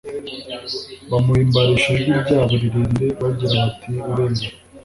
Bamuhimbarisha ijwi ryabo rirerire Bagira bati urera